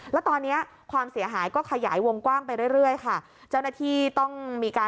แล้วตอนนี้ความเสียหายก็ขยายวงกว้างไปเรื่อยค่ะ